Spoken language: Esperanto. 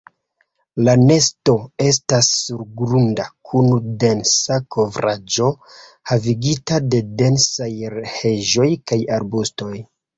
La nesto estas surgrunda, kun densa kovraĵo havigita de densaj heĝoj kaj arbustoj.